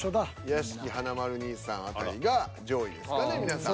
屋敷華丸兄さん辺りが上位ですかね皆さん。